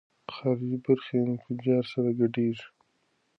خارجي برخې انفجار سره ګډېږي.